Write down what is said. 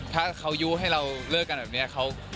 ถ้าเขายู้ให้เราเลิกกันแบบนี้